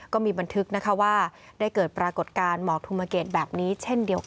ก็มีบันทึกนะคะว่าได้เกิดปรากฏการณ์หมอกธุมเกตแบบนี้เช่นเดียวกัน